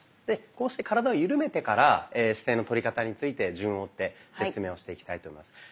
でこうして体を緩めてから姿勢のとり方について順を追って説明をしていきたいと思います。